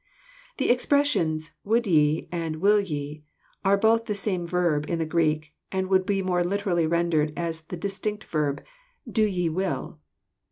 The expressions, " would ye " and " will ye, are both the same verb in the Greek, and would be more literally rendered AS a distinct verb, do ye will."